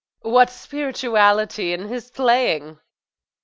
What spirituality in his playing!